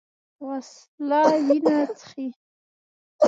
وسله وینه څښي